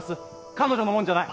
彼女のもんじゃない